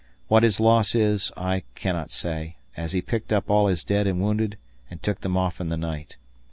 What his loss is I cannot say, as he picked up all his dead and wounded and took them off in the night.